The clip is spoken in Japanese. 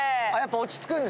落ち着く。